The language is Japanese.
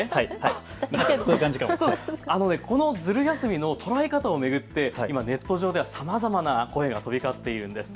このズル休みの捉え方を巡って今、ネット上ではさまざまな声が飛び交っているんです。